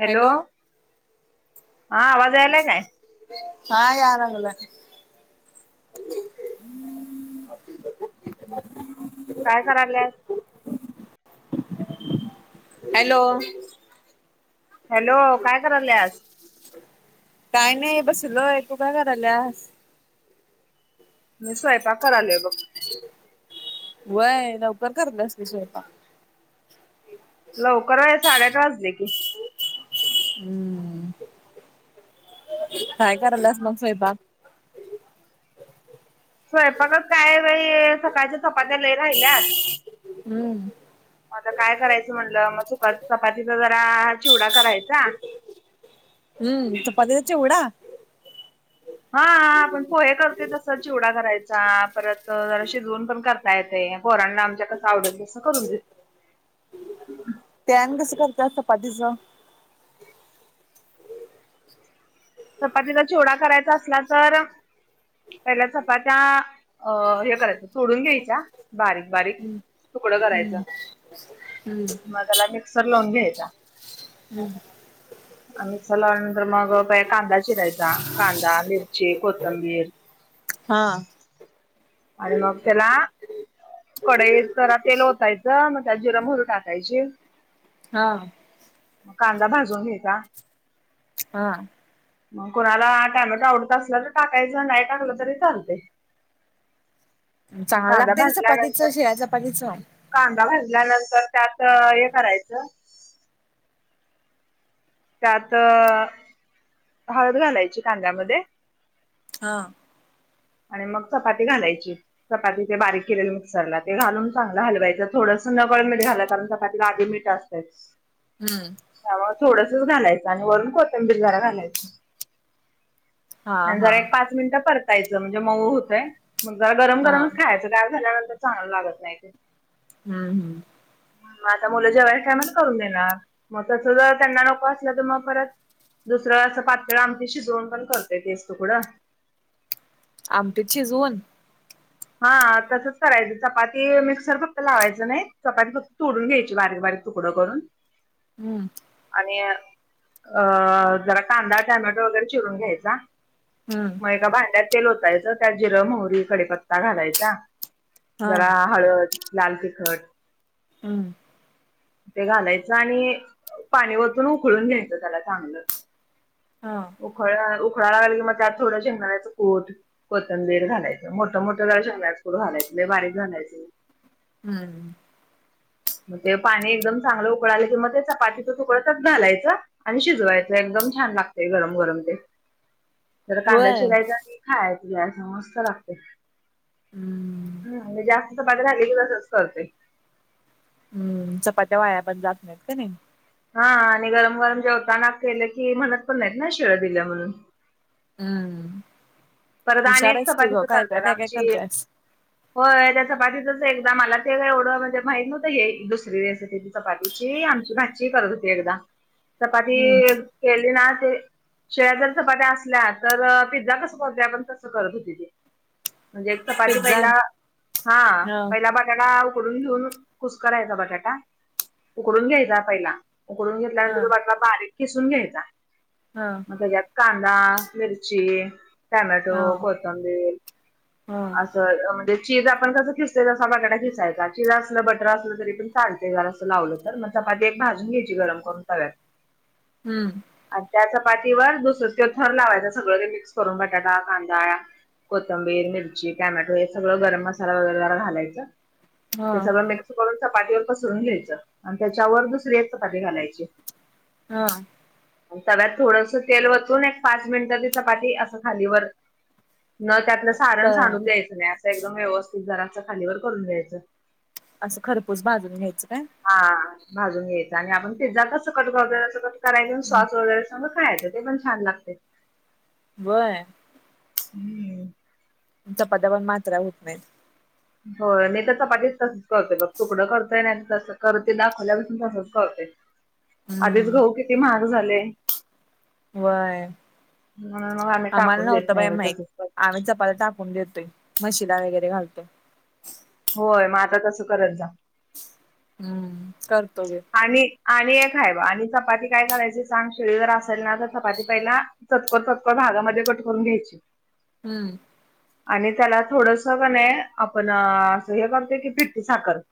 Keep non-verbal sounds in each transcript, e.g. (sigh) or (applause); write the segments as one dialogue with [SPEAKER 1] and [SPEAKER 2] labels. [SPEAKER 1] Hello, हा आवाज यालाय काय?
[SPEAKER 2] हा या लागलाय.
[SPEAKER 1] काय कराल्यास?
[SPEAKER 2] हॅलो. !
[SPEAKER 1] हॅलो, काय कराल्यास?
[SPEAKER 2] काय नाही बसलोय, तू काय करायल्यास?
[SPEAKER 1] मी स्वयपाक करालोय बघ.
[SPEAKER 2] व्हय, लवकर करत्यास की स्वयपाक.
[SPEAKER 1] लवकर व्हय, साडेआठ वाजले की.
[SPEAKER 2] हम्म, काय कराल्यास मग स्वयपाक?
[SPEAKER 1] स्वयपाक काय बाई, सकाळच्या चपात्या लय राहिल्यात
[SPEAKER 2] हम्म
[SPEAKER 1] मग आता काय करायचं म्हनलं, मग चपातीचा जरा चिवडा करायचा,
[SPEAKER 2] हम्म... चपातीचा चिवडा.
[SPEAKER 1] हा. आपण पोहे करतोय तसं चिवडा करायचा, परत जरा शिजवून पण कर काय ते पोरांना आमच्या कसं आवडल तसं करून देऊ
[SPEAKER 2] ते आणि कसं करत्यास चपातीच?
[SPEAKER 1] चपातीचा चिवडा करायचा असला तर, पहिल्या चपात्या अ हे करायच्या, तोडून घ्यायच्या बारीक बारीक तुकडं करायचं,
[SPEAKER 2] हम्म
[SPEAKER 1] मग त्याला मिक्सर लावून घ्यायचा. मिक्सर लावल्यानंतर मग कांदा चिरायचा, कांदा, मिरची, कोथंबीर.
[SPEAKER 2] हां.
[SPEAKER 1] आणि मग त्याला कढईत जरा तेल ओतायचं, मग त्यात जिरं मोरी टाकायची
[SPEAKER 2] हां.
[SPEAKER 1] कांदा भाजून घ़्यायचा
[SPEAKER 2] हां.
[SPEAKER 1] मग कोणाला टोमॅटो आवडत असलं तर टाकायचं, नाही टाकलं तरी चालतय. (unintelligible)
[SPEAKER 2] चांगला
[SPEAKER 1] कांदा
[SPEAKER 2] लागतंय ते चपातीचं,
[SPEAKER 1] भाजल्यानंतर
[SPEAKER 2] शिळ्या चपातीचं.
[SPEAKER 1] कांदा भाजल्यानंतर त्यात हे करायचं त्यात, हळद घालायची कांद्यामध्ये
[SPEAKER 2] हां.
[SPEAKER 1] आणि मग चपाती घालायची. चपाती ते बारीक केलेले मिक्सरला ते घालून चांगलं हलवायचं थोडसं नकळत मीठ घालायचं कारण चपा''--'' तीला आदी मीठ असतंयच.
[SPEAKER 2] हम्म,
[SPEAKER 1] त्यामुळे थोडसंच घालायचं आणि वरून कोथंबीर जरा घालायची.
[SPEAKER 2] हा
[SPEAKER 1] आणि
[SPEAKER 2] हा
[SPEAKER 1] जरा एक पाच मिनिटं परतायचं म्हणजे मऊ होतंय. मग जरा गरम
[SPEAKER 2] हा
[SPEAKER 1] गरमच खायचं गार झाल्यानंतर चांगलं लागत नाही.
[SPEAKER 2] हूं हूं,
[SPEAKER 1] मग आता मुलं जेवायच्या टायमाला करून देणार. मग तस जर त्यांना नको असलं तर मग परत. दुसरं असं पातळ आमटी शिजवून पण करतोय तेच तुकडं.
[SPEAKER 2] आमटीत शिजवून.
[SPEAKER 1] हा तसच करायचं चपाती मिक्सर फक्त लावायचं नाही चपाती फक्त तोडून घ्यायची बारीक बारीक. तुकडं करून.
[SPEAKER 2] हूं,
[SPEAKER 1] आणि अ जरा कांदा टोमॅटो वगैरे चिरून घ्यायचा.
[SPEAKER 2] हम,
[SPEAKER 1] मग एका भांड्यात तेल ओतायचं त्यात जिरं, मोहरी, कडीपत्ता घालायचा.
[SPEAKER 2] हा
[SPEAKER 1] जरा हळद, लाल तिखट.
[SPEAKER 2] हम,
[SPEAKER 1] ते घालायचं आणि'' अ पाणी वतून उकळून घ्यायचं त्याला चांगलं.
[SPEAKER 2] हा,
[SPEAKER 1] उखळं उखळा लागला की मग त्यात थोडं शेंगदाण्याचं कुट कोथंबीर घालायचं मोठ. मोठं मोठं जरा शेंगदाण्याचं कुट घालायचं लई बारीक घालायचे नाही.
[SPEAKER 2] हूं हूं,
[SPEAKER 1] मग ते पाणी एकदम चांगलं उकळालं कि मग ते चपातीचं तुकडं त्यात घालायचं. आणि शिजवायचं एकदम छान लागतंय गरम गरम तेन. जरा कांदा
[SPEAKER 2] व्हय
[SPEAKER 1] चिरायचा आणि खायाला घ्यायचं असं मस्त लागतंय.
[SPEAKER 2] हूं,
[SPEAKER 1] हम मी जास्त चपाती राहिली की तसंच करतोय.
[SPEAKER 2] हम, चपात्या वाया पण जात नाहीत का नाही.
[SPEAKER 1] हा आणि गरम गरम जेवताना केलं की म्हणत पण नाहीत ना शिळं दिलं म्हणून.
[SPEAKER 2] हम्म,
[SPEAKER 1] परत अनी
[SPEAKER 2] हुशार
[SPEAKER 1] एक
[SPEAKER 2] आहेस तू ग
[SPEAKER 1] चपातीचं
[SPEAKER 2] काय काय
[SPEAKER 1] करत्यात
[SPEAKER 2] काय काय
[SPEAKER 1] आमची.
[SPEAKER 2] करतेस
[SPEAKER 1] होय, त्या चपातीतच एकदा मला ते एवढं म्हणजे माहित नव्हतं हे दुसरी रेसिपी. चपातीची आमची भाची करत होती एकदा चपाती.
[SPEAKER 2] हम्म
[SPEAKER 1] केले ना ते शिळ जर चपात्या असल्या तर पिझ्झा कस''--'' उद्या पण कसं करत होती ती लगेच. चपाती
[SPEAKER 2] पिझ्झा
[SPEAKER 1] पहिला हां,
[SPEAKER 2] ह
[SPEAKER 1] पहिला बटाटा उकडून घेऊन. कुस करायचा बटाटा उकडून घ्यायचा पहिला उकडून
[SPEAKER 2] ह
[SPEAKER 1] घेतल्यानंतर तो बटाटा बारीक. किसून घ्यायचा.
[SPEAKER 2] हा,
[SPEAKER 1] तेज्यात कांदा मिरची टमॅटो
[SPEAKER 2] ह
[SPEAKER 1] कोतंबीर
[SPEAKER 2] ह
[SPEAKER 1] आ, असं म्हणजे चीज आपण कसं खिसयलेल असा बटाटा खिसायचा चीज असलं बटर असलं तरी पण चालते्य जरा अस लावलं तर, मग चपाती एक भाजून घ्यायची गरम करून तव्यात
[SPEAKER 2] हम्म,
[SPEAKER 1] आणि त्या चपातीवर, दुसरं ते थर लावायचं सगळं ते मिक्स करून बटाटा, कांदा, कोथंबीर, मिरची, टॅमॅटो हे सगळं गरम मसाला वगैरे जरा घालायचं, ते
[SPEAKER 2] ह
[SPEAKER 1] सगळं मिक्सऽ करून चपातीवर पसरून घ्यायचं, आणि त्याच्यावर दुसरी एक चपाती घालायची.
[SPEAKER 2] हा,
[SPEAKER 1] तव्यात थोडस तेल वतून एक पाच मिनिट ती चपाती, असं खालीवरऽ न त्यातलं सारण
[SPEAKER 2] क
[SPEAKER 1] सांडून द्यायचं नाही, असं एकदम व्यवस्थित जराच खालीवर करून घ्यायचं.
[SPEAKER 2] असं खरपूस बाजून घ्यायचं काय?
[SPEAKER 1] हा, भाजून घ्यायचं, आणि आपण पिझ्झा कसं कट करतोय तसं कट करायच सॉस वगैरे संग खायचं. ते पण छान लागतेय.
[SPEAKER 2] व्हय.
[SPEAKER 1] हम्म,
[SPEAKER 2] चपात्या पन मात्र्या होत नाहीत.
[SPEAKER 1] होय, मी तर चपातीच तसच करतोय, मग तुकडं करतोय नाही तस करते ना ते दाखवल्यापासून तसंच करतोय. आधीच
[SPEAKER 2] हम्म
[SPEAKER 1] गहु किती महाग झालय.
[SPEAKER 2] वय.
[SPEAKER 1] आम्ही
[SPEAKER 2] आम्हाला
[SPEAKER 1] टाकून देत
[SPEAKER 2] नव्हतं बाई
[SPEAKER 1] नाही
[SPEAKER 2] माहीत,
[SPEAKER 1] तसंच करते.
[SPEAKER 2] आम्ही चपात्या टाकून देतोय. मशीला वगैरे घालतोय.
[SPEAKER 1] होय, मग आता तसं करत जा.
[SPEAKER 2] हम्म, करतो गे.
[SPEAKER 1] आणि, आणि एक हाय बग, आणि चपाती काय कारायच सांग, शिळी जर असेल ना तर चपाती पहिलाऽ चतकोर चतकोर भागामध्ये कट करून घ्यायच.
[SPEAKER 2] हम्म,
[SPEAKER 1] आणि त्याला थोडस की नै, आपण असं हे करतोय की पिट्टी साखरऽ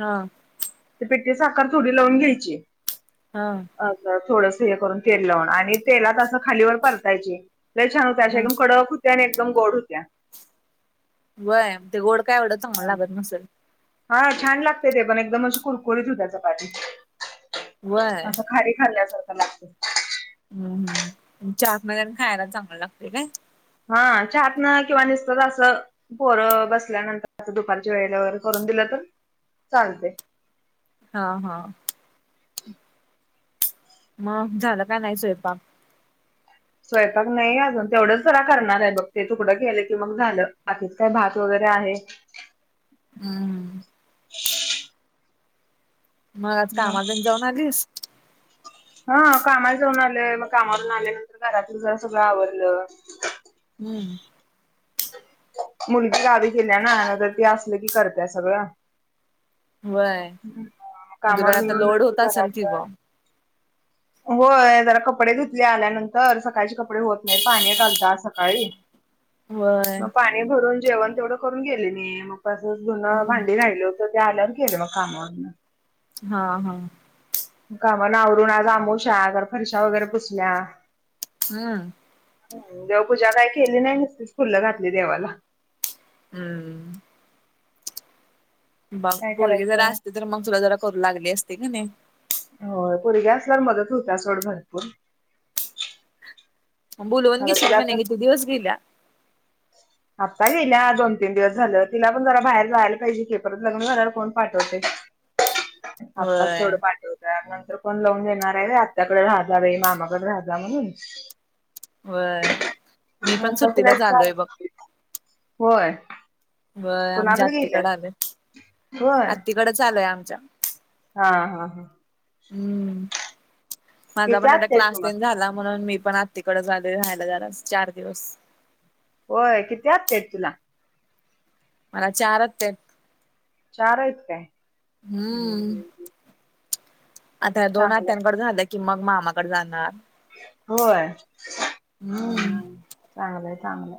[SPEAKER 2] हा,
[SPEAKER 1] ते साखर थोडी लावून घ्यायची.
[SPEAKER 2] हा,
[SPEAKER 1] थोडस हे करून, तेल लावुण आणि तेलात असं खालीवर परतायची, लय छानऽ आशी
[SPEAKER 2] हा
[SPEAKER 1] एकदम कडक होत्या, आणि एकदम गोड होत्या.
[SPEAKER 2] वय, ते गोड काय एवढं चांगलं लागत नसल.
[SPEAKER 1] हा, छान लागते ते पण, एकदम अशी कुरकुरीत होत्या चपाती.
[SPEAKER 2] व्हय
[SPEAKER 1] असं खारी खाल्ल्यासारखं लागतं.
[SPEAKER 2] हम् हम्, चहात नं तन खायला चांगला लागतेय काय?
[SPEAKER 1] हा, चहातन किंवा नुसत असंऽ पोरं बसल्यानंतर आता दुपारच्या वेळेला वगैरे, करून दिलं तर चालतय.
[SPEAKER 2] हा हा मग झालं का नाही स्वयंपाक?
[SPEAKER 1] स्वयंपाक नाही अजून तेवढंच जरा करणार आहे बघ ते तुकडं गेले की मग झालं बाकीत काय भात वगैरे आहे.
[SPEAKER 2] हम हम मग आज कामाला तेन जाऊन आलीस?
[SPEAKER 1] हा कामाला जाऊन आलं मग कामावरून आल्यानंतर घरातलं जर सगळं आवरलं
[SPEAKER 2] हम्म
[SPEAKER 1] मुलगी गावी केल्या ना, नाही तरर ती असली की करत्या सगळं.
[SPEAKER 2] व्हय मग तुला
[SPEAKER 1] कामावरून
[SPEAKER 2] आता
[SPEAKER 1] येऊन,
[SPEAKER 2] लोड
[SPEAKER 1] नंतर
[SPEAKER 2] होत
[SPEAKER 1] ते
[SPEAKER 2] असेल की
[SPEAKER 1] घरातलं ऽ
[SPEAKER 2] ग
[SPEAKER 1] होय, जरा कपडे धुतले आल्यानंतर, सकाळचे कपडे होत नाही, पाणी एक आलतं आज सकाळीऽ
[SPEAKER 2] व्हय.
[SPEAKER 1] पाणी भरून जेवण तेवढं करून गेले मी म तसच धून भांडी राहील हुतं. ते आल्यावर केलं मग काम.
[SPEAKER 2] हा हा.
[SPEAKER 1] कामावरून आवरून आज आमवश्या जरा फर्शा वगैरे पुसल्या.
[SPEAKER 2] हम्म.
[SPEAKER 1] देव पूजा काय केली नाही नुसतीच फुलं घातली देवाला.
[SPEAKER 2] हम्म. बघ
[SPEAKER 1] काय
[SPEAKER 2] पोरगी जरा
[SPEAKER 1] करायचं.
[SPEAKER 2] असती तर मग तुला जरा करू लागली असती कनी?
[SPEAKER 1] होय पोरगी असल्यावर मदत होत्या सोड भरपूर.
[SPEAKER 2] म बोलवून
[SPEAKER 1] मला
[SPEAKER 2] घेशील
[SPEAKER 1] तिला
[SPEAKER 2] का नाही
[SPEAKER 1] तर
[SPEAKER 2] कीती दिवस गेल्या?
[SPEAKER 1] (inaudible) आत्ता गेल्या दोन तीन दिवस झालं तिला पण जरा बाहेर जायला पाहिजे के परत लग्न झाल्यावर कोण पाठवतय? आताच तेवड
[SPEAKER 2] व्हय
[SPEAKER 1] पाठव त्या नंतर कोण लावून देणार हाय वय आत्याकड राह जा बाई मामाकडे राह जा म्हणून?
[SPEAKER 2] व्हय. मी
[SPEAKER 1] म
[SPEAKER 2] पण
[SPEAKER 1] आता तिला
[SPEAKER 2] सुट्टीलाच
[SPEAKER 1] एक चार,
[SPEAKER 2] आलोय बघ
[SPEAKER 1] होय.
[SPEAKER 2] व्हय आमच्या
[SPEAKER 1] कुणाकडे गेल्यात
[SPEAKER 2] आत्तीकडे आलय,
[SPEAKER 1] होय
[SPEAKER 2] आत्तीकडच आलोय आमच्या.
[SPEAKER 1] हा हा.
[SPEAKER 2] हम्म, माझा
[SPEAKER 1] किती
[SPEAKER 2] पण आता
[SPEAKER 1] आत्या आहेत
[SPEAKER 2] क्लास तेन
[SPEAKER 1] तुम्हाला
[SPEAKER 2] झाला म्हणून मी पण आ तीकडच आलोय राहायला जरा चार दिवस.
[SPEAKER 1] होय किती आत्या हाईत तुला?
[SPEAKER 2] मला चार आत्या येत.
[SPEAKER 1] चार हाईत काय?
[SPEAKER 2] हम्म आता दोन
[SPEAKER 1] चांगलंय
[SPEAKER 2] आत्यांनकड झालं की मग मामाकड जाणार.
[SPEAKER 1] होय.
[SPEAKER 2] हम्म.
[SPEAKER 1] चांगलंय चांगलंय,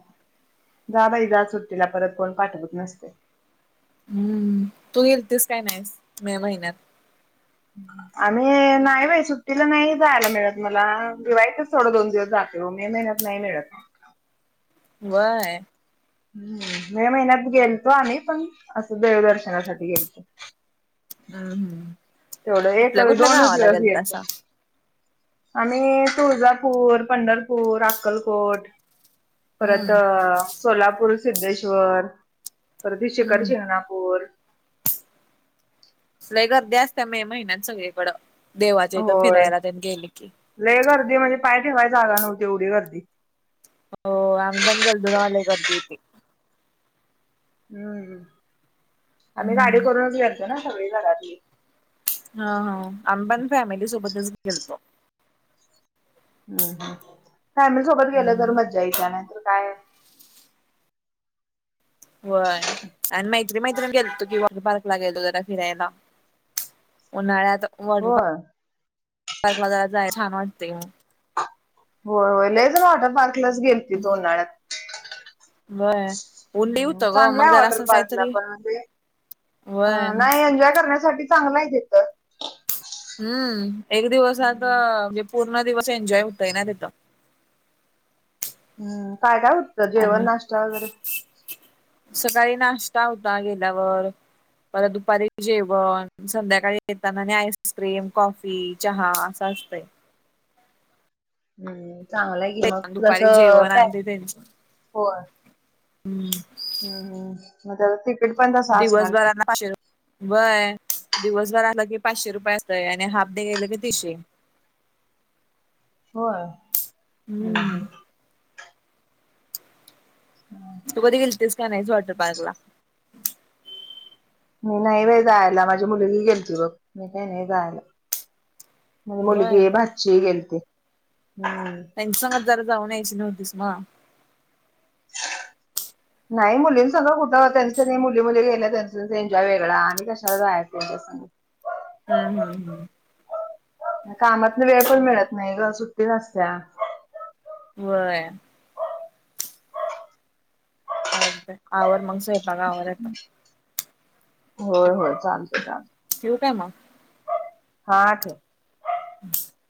[SPEAKER 1] जा बाई जा सुट्टीला परत कोण पाठवत नसतय.
[SPEAKER 2] हम्म, तू गेलतीस काय नाहीस मे महिन्यात?
[SPEAKER 1] आम्ही नाही बाई सुट्टीला नाही जायला मिळत मला दिवाळीतच थोडं दोन दिवस जा यो मे महिन्यात नाही मिळत.
[SPEAKER 2] व्हय.
[SPEAKER 1] हम्म मे महिन्यात गेलतो आम्ही पण असं देवदर्शनासाठी गेलतो.
[SPEAKER 2] हम्म हम्म
[SPEAKER 1] तेवढं एक
[SPEAKER 2] कुठल्या कुठल्या
[SPEAKER 1] दोनच
[SPEAKER 2] गावाला
[SPEAKER 1] दिवस घेलतो.
[SPEAKER 2] गेलतासा
[SPEAKER 1] आम्ही तुळजापूर, पंढरपूर, अक्कलकोट. परत
[SPEAKER 2] हम्म
[SPEAKER 1] सोलापूर, सिद्धेश्वर. परत हे शिकर
[SPEAKER 2] हम्म
[SPEAKER 1] शिंगणापूर.
[SPEAKER 2] लई गर्दी असत्या मे महिन्यात सगळीकडं, देवाच्या इथं
[SPEAKER 1] होय
[SPEAKER 2] फिरायला तेन गेल की?
[SPEAKER 1] लय गर्दी म्हणजे पाय ठेवाय जागा नव्हती ऐवढी गर्दी.
[SPEAKER 2] हो आम्ही पण घेलतो तवा लय गर्दी होती.
[SPEAKER 1] हम्म, आम्ही गाडी करूनच घेलतो ना सगळी घरातली.
[SPEAKER 2] हा हा आम्ही पण फॅमिली सोबतच गेलतो.
[SPEAKER 1] हम् हम्, फॅमिली सोबत गेलं तर
[SPEAKER 2] हम्म.
[SPEAKER 1] मज्जा येत्या नाही तर काय
[SPEAKER 2] होय, आणि मैत्री मैत्रिण गेलतो की वॉटर पार्कला गेलो जरा फिरायला. उन्हाळ्यात वॉटर पा,
[SPEAKER 1] होय
[SPEAKER 2] पार्क ला जरा जाय छान वाटतय म.
[SPEAKER 1] होय होय लाईजन वॉटर पार्कलाच गेलते उन्हाळ्यात.
[SPEAKER 2] (inaudible) लई होत
[SPEAKER 1] हम्
[SPEAKER 2] ग
[SPEAKER 1] चांगला
[SPEAKER 2] मग
[SPEAKER 1] आहे
[SPEAKER 2] जरा
[SPEAKER 1] वॉटर
[SPEAKER 2] असं
[SPEAKER 1] पार्कला
[SPEAKER 2] काहीतरी
[SPEAKER 1] पण म्हणजे
[SPEAKER 2] होय.
[SPEAKER 1] नाही एन्जॉय करण्यासाठी चांगला आहे तिथं.
[SPEAKER 2] हम्म एक दिवस आता
[SPEAKER 1] हम्म
[SPEAKER 2] म्हणजे पूर्ण दिवस एन्जॉय हुंतय ना तिथं.
[SPEAKER 1] हम्म काय काय उठतं जेवण
[SPEAKER 2] आणि
[SPEAKER 1] नाश्ता वगैरे?
[SPEAKER 2] सकाळी नाश्ता होता गेल्यावर परत दुपारी जेवण संध्याकाळी येताना आणि आईस्क्रीम कॉफी. चहा असा असय.
[SPEAKER 1] हम् चांगलं आहे की
[SPEAKER 2] आणि
[SPEAKER 1] मग
[SPEAKER 2] दुपारी जेवण
[SPEAKER 1] (unintelligible) पॅक
[SPEAKER 2] आणि ते हम्म
[SPEAKER 1] हम्म हम मग (unintelligible)
[SPEAKER 2] दिवस
[SPEAKER 1] असणार की
[SPEAKER 2] भरना पा व्हय दिवसभर आलं की पाचशे रुपये असत आणि हाफ डे गेलं की तीसशे.
[SPEAKER 1] होय हम्
[SPEAKER 2] हम्म
[SPEAKER 1] हम. हम
[SPEAKER 2] तू कधी गलतीस का नाहीस? वॉटर पार्कला.
[SPEAKER 1] मी नाही जायला. माझी मुलगी गेलती बघ मी काही नाही जायला. ममाझी मुलगी
[SPEAKER 2] व्हय
[SPEAKER 1] भाची गेलते. हम्म
[SPEAKER 2] त्यांच्या सांगतच जरा जाऊन यायची नव्हतीस मग.
[SPEAKER 1] (inaudible) नाही मुलींनी संग कुठं. त्यांच त्यांनी मुली मुली गेल्या त्यांच एन्जॉय वेगळा आणि कशा जायच त्यांच्या संग. (inaudible)
[SPEAKER 2] हम हम हम्
[SPEAKER 1] कामातन वेळ पण मिळत नाही ग सुट्टी नसत्याया.
[SPEAKER 2] व्हय. चालतंय आवर मग स्वयंपाक आवरायचा.
[SPEAKER 1] होय होय चालत चालत.
[SPEAKER 2] ठेवू काय मग?
[SPEAKER 1] हा ठेव.
[SPEAKER 2] (inaudible)